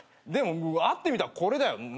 でも会ってみたらこれだよ。